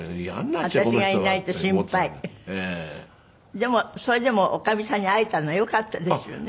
でもそれでも女将さんに会えたのはよかったですよね。